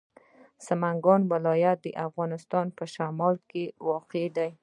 سمنګان ولایت د افغانستان په شمال کې واقع دی.